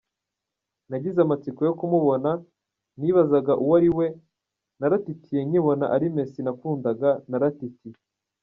Nagize amatsiko yo kumubona, nibazaga uwo ari we, naratitiye nkibona ari Messi nakundaga, naratitiye.